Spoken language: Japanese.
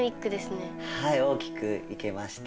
はい大きく生けました。